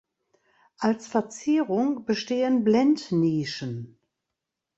Als Verzierung bestehen Blendnischen.